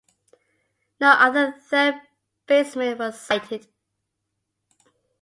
No other third baseman was cited.